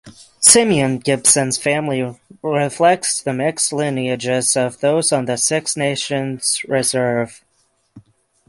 Simeon Gibson’s family reflects the mixed lineages of those on the Six Nations Reserve.